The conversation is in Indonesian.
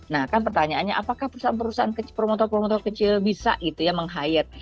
nah kan pertanyaannya apakah perusahaan perusahaan promotor promotor kecil bisa itu ya menghayat